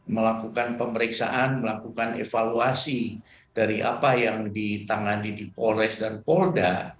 melakukan pemeriksaan melakukan evaluasi dari apa yang ditangani di polres dan polda